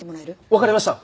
わかりました！